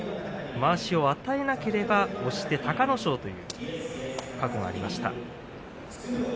まわしを与えなければ押して隆の勝という過去がありました。